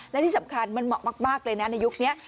และที่สำคัญมันเหมาะมากเลยนะในยุคนี้